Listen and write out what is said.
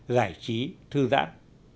giải trí thư giãn